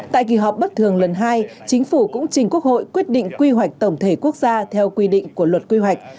tại kỳ họp bất thường lần hai chính phủ cũng trình quốc hội quyết định quy hoạch tổng thể quốc gia theo quy định của luật quy hoạch